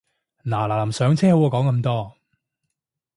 嗱嗱臨上車好過講咁多